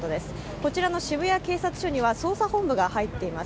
こちらの渋谷警察署には捜査本部が入っています。